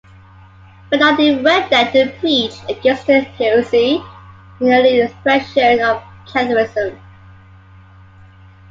Bernard even went there to preach against the heresy, an early expression of Catharism.